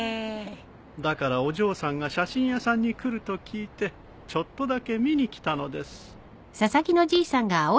だからお嬢さんが写真屋さんに来ると聞いてちょっとだけ見に来たのです。